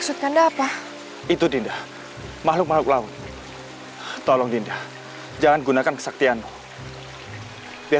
sampai jumpa di video selanjutnya